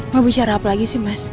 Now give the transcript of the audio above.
mau bicara apa lagi sih mas